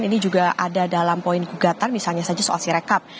ini juga ada dalam poin gugatan misalnya saja soal sirekap